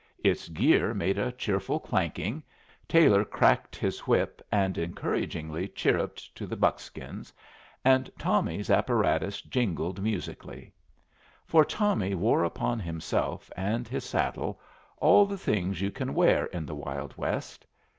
Its gear made a cheerful clanking, Taylor cracked his whip and encouragingly chirruped to his buckskins, and Tommy's apparatus jingled musically. For Tommy wore upon himself and his saddle all the things you can wear in the Wild West.